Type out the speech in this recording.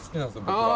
僕は。